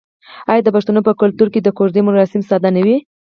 آیا د پښتنو په کلتور کې د کوژدې مراسم ساده نه وي؟